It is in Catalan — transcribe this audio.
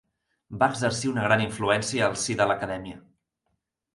Va exercir una gran influència al si de l'Acadèmia.